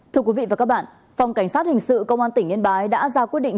thưa quý vị và các bạn phòng cảnh sát hình sự công an tỉnh yên bái đã ra quyết định